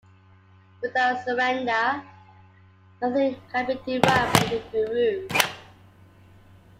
Without surrender, nothing can be derived from the Guru.